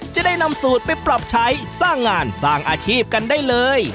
จะได้นำสูตรไปปรับใช้สร้างงานสร้างอาชีพกันได้เลย